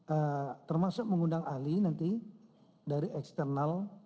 kita harus menikmati termasuk mengundang ahli nanti dari eksternal